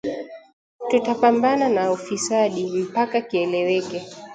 "Tutapambana na ufisadi!" mpaka kieleweke